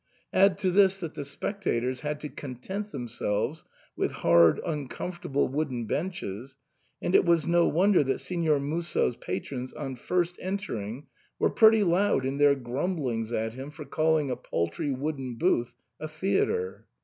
Add to this that the spectators had to content themselves with hard uncomfortable wooden benches, and it was no wonder that Signor Musso's patrons on first enter ing were pretty loud in their grumblings at him for calling a paltry wooden booth a theatre.